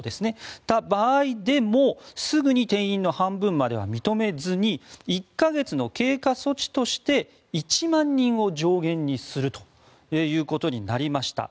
その場合でもすぐに定員の半分までは認めずに１か月の経過措置として１万人を上限にするということになりました。